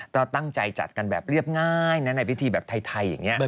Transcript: ก็ตั้งใจจัดกันแบบเรียบง่ายนะในพิธีแบบไทยอย่างนี้